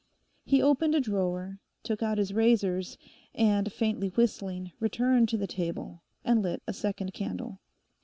He opened a drawer, took out his razors, and, faintly whistling, returned to the table and lit a second candle.